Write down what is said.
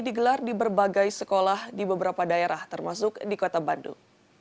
digelar di berbagai sekolah di beberapa daerah termasuk di kota bandung